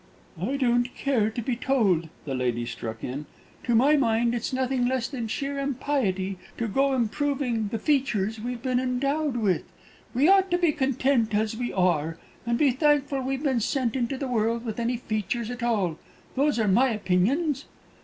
"I don't care to be told," the lady struck in. "To my mind, it's nothing less than sheer impiety to go improving the features we've been endowed with. We ought to be content as we are, and be thankful we've been sent into the world with any features at all. Those are my opinions!"